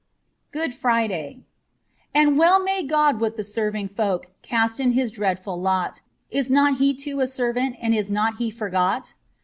'' 413 GOOD FRIDAY AND well may God with the serving folk Cast in His dreadful lot. Is not He too a servant, And is not He forgot